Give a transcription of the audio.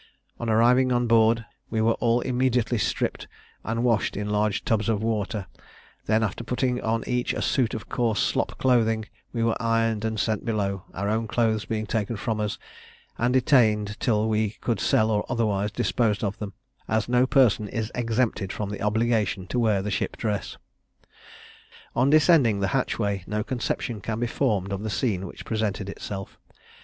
On arriving on board, we were all immediately stripped, and washed in large tubs of water; then, after putting on each a suit of coarse slop clothing, we were ironed, and sent below, our own clothes being taken from us, and detained till we could sell or otherwise dispose of them, as no person is exempted from the obligation to wear the ship dress. On descending the hatchway, no conception can be formed of the scene which presented itself.